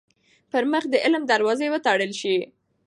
پـر مـخ د عـلم دروازې وتـړل شي.